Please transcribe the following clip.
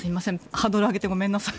ハードルを上げてごめんなさい。